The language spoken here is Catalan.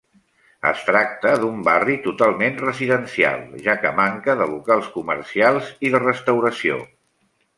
Es tracta d'un barri totalment residencial, ja que manca de locals comercials i de restauració.